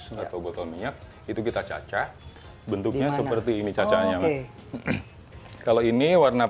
dari botol jus atau botol minyak itu kita cacah bentuknya seperti ini cacahnya kalau ini warna